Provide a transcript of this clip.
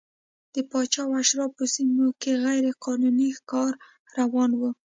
د پاچا او اشرافو سیمو کې غیر قانوني ښکار روان و.